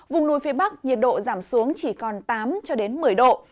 vùng núi phía bắc nhiệt độ giảm xuống chỉ còn tám một mươi độ